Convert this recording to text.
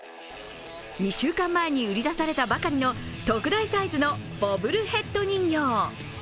２週間前に売り出されたばかりの特大サイズのボブルヘッド人形。